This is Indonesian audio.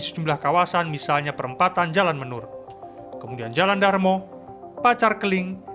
sejumlah kawasan misalnya perempatan jalan menur kemudian jalan darmo pacar keling